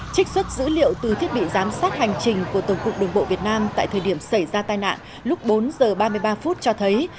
trích xuất dữ liệu từ thiết bị giám sát hành trình của tổng cục đường bộ việt nam tại thời điểm xảy ra tai nạn lúc bốn h ba mươi ba phút cho thấy